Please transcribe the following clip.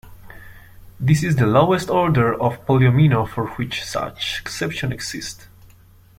This is the lowest order of polyomino for which such exceptions exist.